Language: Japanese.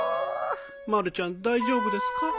まるちゃん大丈夫ですか？